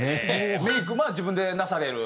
メイク自分でなされる？